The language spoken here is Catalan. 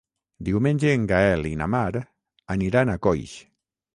Diumenge en Gaël i na Mar aniran a Coix.